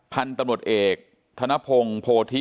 พรรณฑนตรมนต์เอกธนพงศ์โพธิ